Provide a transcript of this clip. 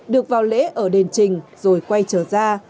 được vào lễ ở đền trình rồi quay trở ra